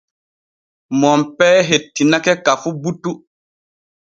Monpee hettinake ka fu butu.